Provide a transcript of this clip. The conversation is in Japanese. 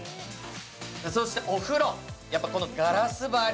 そしてお風呂、やっぱりガラス張り。